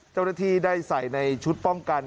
เจ้าหน้าที่ได้ใส่ในชุดป้องกัน